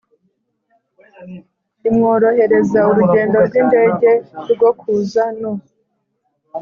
imworohereza urugendo rw indege rwo kuza no